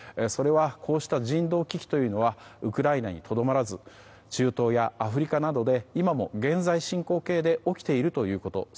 それはこうした人道危機というのはウクライナにとどまらず中東やアフリカなどで今も現在進行形で起きているということ。